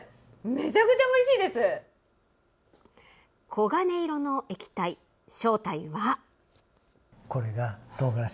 黄金色の液体、正体は。